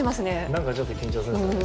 なんかちょっと緊張するんですよね